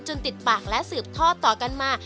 ติดปากและสืบทอดต่อกันมา